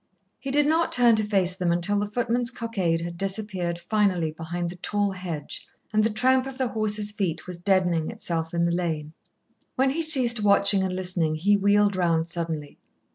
He did not turn to face them until the footman's cockade had disappeared finally behind the tall hedge, and the tramp of the horses' feet was deadening itself in the lane. When he ceased watching and listening, he wheeled round suddenly.